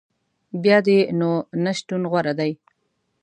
بیا دي نو نه شتون غوره دی